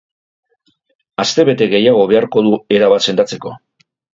Astebete gehiago beharko du erabat sendatzeko.